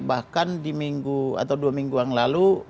bahkan di minggu atau dua minggu yang lalu